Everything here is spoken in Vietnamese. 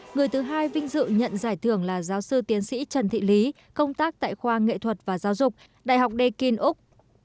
người thứ hai vinh dự nhận giải thưởng là giáo sư tiến sĩ trần thị lý công tác tại khoa nghệ thuật và giáo dục đại học đê kinh úc